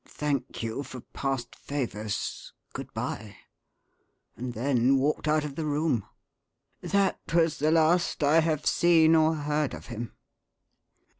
Thank you for past favours. Good bye!' and then walked out of the room. That was the last I have seen or heard of him."